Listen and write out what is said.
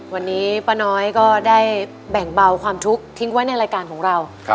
วันนี้ป้าน้อยก็ได้แบ่งเบาความทุกข์ทิ้งไว้ในรายการของเรา